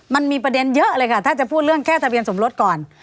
มันมีประเด็นเยอะเลยค่ะถ้าจะพูดเรื่องแค่ทะเบียนสมรสก่อน